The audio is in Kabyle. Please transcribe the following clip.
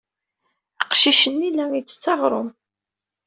Aqcic-nni la ittett aɣrum.